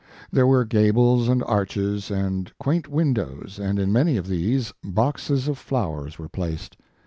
There were gables and arches and quaint windows, and in many of these, boxes of flowers were placed.